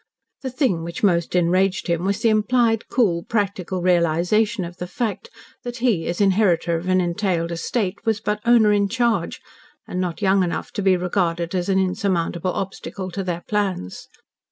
The thing which most enraged him was the implied cool, practical realisation of the fact that he, as inheritor of an entailed estate, was but owner in charge, and not young enough to be regarded as an insurmountable obstacle to their plans.